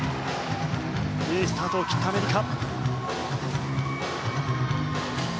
いいスタートを切ったアメリカ。